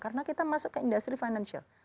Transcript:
karena kita masuk ke industri financial